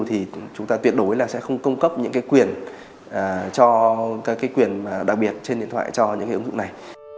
thì chúng ta tuyệt đối là sẽ không cung cấp những cái quyền đặc biệt trên điện thoại cho những cái ứng dụng này